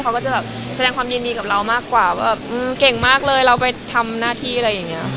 เขาก็จะแบบแสดงความยินดีกับเรามากกว่าว่าแบบเก่งมากเลยเราไปทำหน้าที่อะไรอย่างนี้